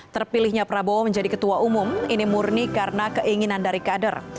terpilihnya prabowo menjadi ketua umum ini murni karena keinginan dari kader